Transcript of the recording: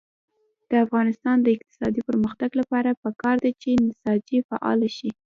د افغانستان د اقتصادي پرمختګ لپاره پکار ده چې نساجي فعاله شي.